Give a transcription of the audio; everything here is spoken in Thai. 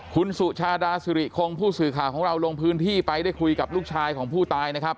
คุณสุชาดาสิริคงผู้สื่อข่าวของเราลงพื้นที่ไปได้คุยกับลูกชายของผู้ตายนะครับ